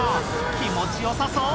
気持ちよさそう。